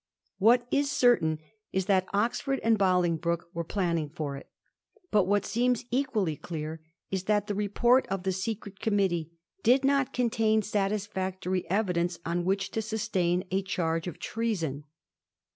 What is certain is that Oxford and Bolingbroke were planning for it. But what seems equally clear is that the report of the Secret Committee did not contain satisfactory evidence on which to sustain a charge of treason.